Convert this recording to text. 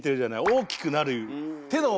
大きくなる。